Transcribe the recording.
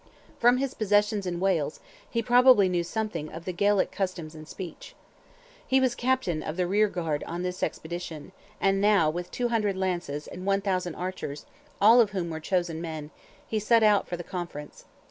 From his possessions in Wales, he probably knew something of the Gaelic customs and speech. He was captain of the rearguard on this expedition, and now, with 200 lances, and 1,000 archers, all of whom were chosen men, he set out for the conference.